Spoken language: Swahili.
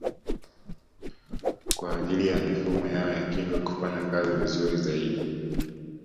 Kwa ajili ya mifumo yao ya kinga kufanya kazi vizuri zaidi